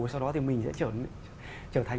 sau đó thì mình sẽ trở thành